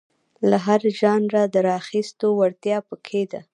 له هر ژانره د راخیستو وړتیا په کې ده.